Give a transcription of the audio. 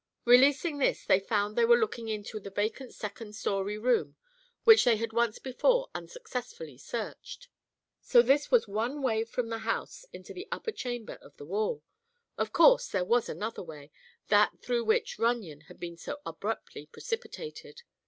Releasing this, they found they were looking into the vacant second story room which they had once before unsuccessfully searched. So this was one way from the house into the upper chamber of the wall. Of course there was another way—that through which Runyon had been so abruptly precipitated.